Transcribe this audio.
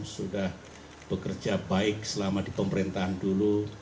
sudah bekerja baik selama di pemerintahan dulu